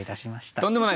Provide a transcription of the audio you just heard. とんでもないです。